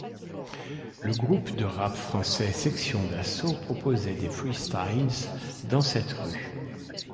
Le groupe de rap français Sexion d'Assaut proposait des free-styles dans cette rue.